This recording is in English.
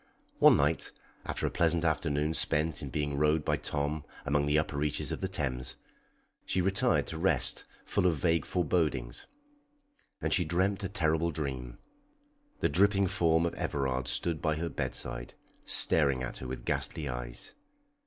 One night, after a pleasant afternoon spent in being rowed by Tom among the upper reaches of the Thames, she retired to rest full of vague forebodings. And she dreamt a terrible dream. The dripping form of Everard stood by her bedside, staring at her with ghastly eyes.